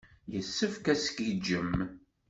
Yessefk ad tgiǧǧem.